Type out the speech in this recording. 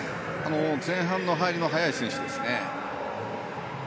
前半の入りの速い選手ですね。